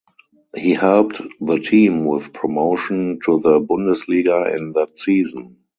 He helped the team with promotion to the Bundesliga in that season.